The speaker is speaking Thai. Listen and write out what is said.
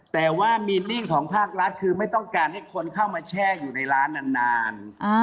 แต่ว่ามีนิ่งของภาครัฐคือไม่ต้องการให้คนเข้ามาแช่อยู่ในร้านนาน